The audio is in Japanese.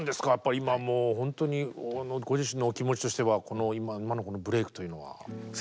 今もう本当にご自身のお気持ちとしてはこの今のこのブレークというのは。